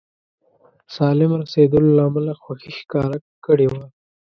سالم رسېدلو له امله خوښي ښکاره کړې وه.